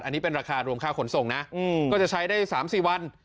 อันนี้เป็นราคารวงค่าขนส่งนะอืมก็จะใช้ได้สามสี่วัน